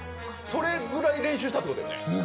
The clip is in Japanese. それぐらい練習したっていうことやね。